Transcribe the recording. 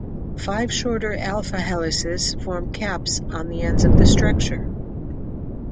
Five shorter alpha helices form caps on the ends of the structure.